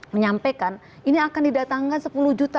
menyampaikan ini akan didatangkan sepuluh juta